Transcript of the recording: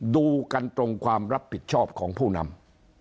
ดูกันตรงความรับผิดชอบของผู้นำ